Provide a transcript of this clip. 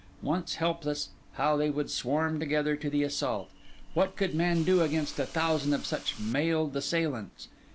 Once helpless, how they would swarm together to the assault! What could man do against a thousand of such mailed assailants?